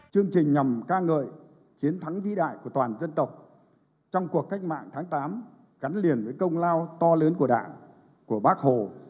chương trình nhằm ca ngợi chiến thắng vĩ đại của toàn dân tộc trong cuộc cách mạng tháng tám gắn liền với công lao to lớn của đảng của bác hồ